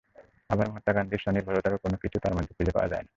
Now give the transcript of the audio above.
আবার মহাত্মা গান্ধীর স্বনির্ভরতারও কোনো কিছু তাঁর মধ্যে খুঁজে পাওয়া যাবে না।